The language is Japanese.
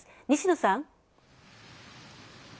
西野さん。